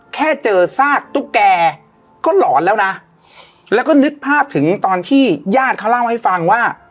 แค่เจอซากตุ๊กแกก็หลอนแล้วนะแล้วก็นึกภาพถึงตอนที่ญาติเขาเล่าให้ฟังว่า